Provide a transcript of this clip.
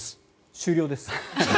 終了です。